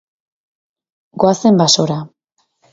Goazen basora.